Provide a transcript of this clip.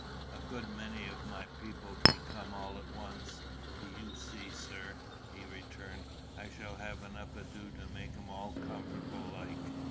"A good many o' my people be come all at once, you see, sir," he returned. "I shall have enough ado to make 'em all comfortable like."